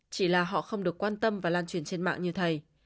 chỉ là họ không được quan tâm và lan truyền trên mạng như thầy